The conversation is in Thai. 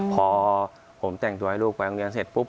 พอผมแต่งตัวให้ลูกไปโรงเรียนเสร็จปุ๊บ